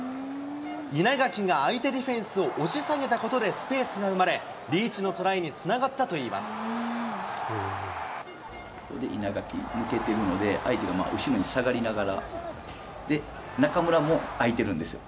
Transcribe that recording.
稲垣が相手ディフェンスを押し下げたことでスペースが生まれ、リーチのトライにつながったとい稲垣、抜けてるので、相手が後ろに下がりながら、で、中村も空いてるんですよ。